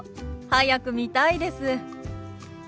早く見たいです。